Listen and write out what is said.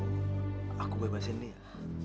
kamu mau aku bebasin dia